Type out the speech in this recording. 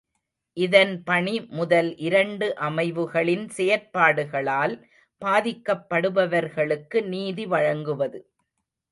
இதன் பணி முதல் இரண்டு அமைவுகளின் செயற்பாடுகளால் பாதிக்கப்படுபவர்களுக்கு நீதி வழங்குவது.